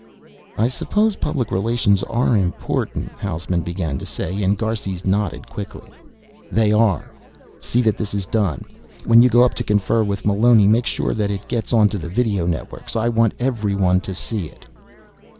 "I suppose public relations are important " Hausman began to say, and Garces nodded quickly. "They are. See that this is done, when you go up to confer with Meloni. Make sure that it gets onto the video networks, I want everyone to see it."